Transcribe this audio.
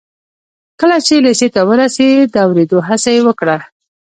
کله چې لېسې ته ورسېد د اورېدو هڅه یې وکړه